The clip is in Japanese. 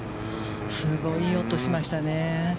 すごい音がしましたね。